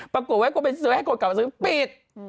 ปรากฏเพราะไม่กดก๋วยเตี๋ยวแจ๊วทั้งวันปิด